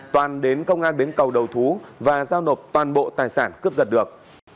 toàn đến công an bến cầu đầu thú và giao nộp toàn bộ tài sản cướp giật được